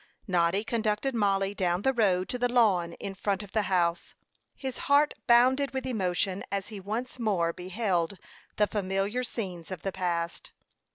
Noddy conducted Mollie down the road to the lawn in front of the house. His heart bounded with emotion as he once more beheld the familiar scenes of the past.